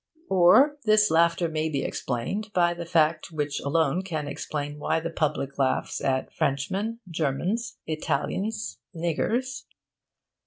Or this laughter may be explained by the fact which alone can explain why the public laughs at Frenchmen, Germans, Italians, Niggers.